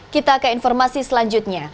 kita ke informasi selanjutnya